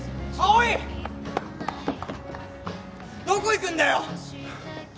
どこ行くんだよ？